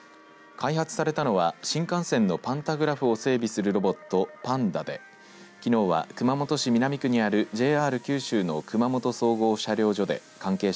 開発されたのは新幹線のパンタグラフを整備するロボットＰＡＮＤＨＲできのうは熊本市南区にあるＪＲ九州の総合車両所で関係者